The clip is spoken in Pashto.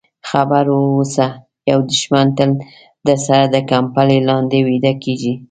خبر واوسه یو دښمن تل درسره د کمپلې لاندې ویده کېږي.